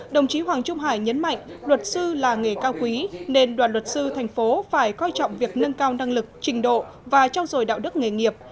đồng chí hoàng trung hải nhấn mạnh luật sư là nghề cao quý nên đoàn luật sư thành phố phải coi trọng việc nâng cao năng lực trình độ và trao dồi đạo đức nghề nghiệp